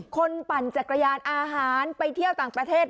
ปั่นจักรยานอาหารไปเที่ยวต่างประเทศ